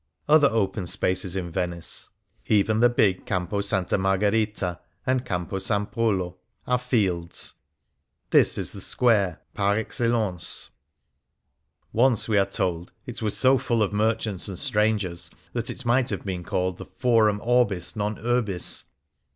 Other open spaces in Venice, even the big 52 0.2 'JO M uO 5 = The Heart of Venice Campo S. Margherita and Campo S. Polo, are " Fields "; this is "The Square '' par excellence. Once, we are told, it was so full of merchants and strangers that it might have been called the "Forum Orbis, non Urbis."